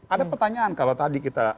ada pertanyaan kalau tadi kita